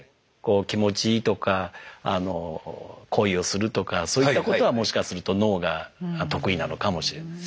気持ちいいとか恋をするとかそういったことはもしかすると脳が得意なのかもしれない。